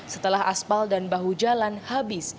setelah aspal dan bahu jalan habis